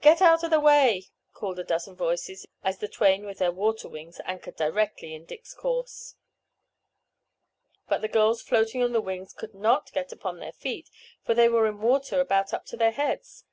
"Get out of the way!" called a dozen voices as the twain with their water wings anchored directly in Dick's course. But the girls floating on the wings could not get upon their feet for they were in water about up to their heads.